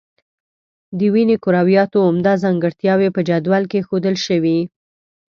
د وینې کرویاتو عمده ځانګړتیاوې په جدول کې ښودل شوي.